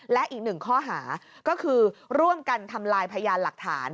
และอีกหนึ่งข้อหาก็คือร่วมกันทำลายพยานหลักฐาน